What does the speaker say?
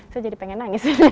saya jadi pengen nangis